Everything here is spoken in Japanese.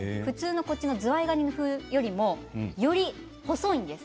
ズワイガニ風よりもより細いんです。